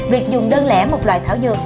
việc dùng đơn lẽ một loại thảo dược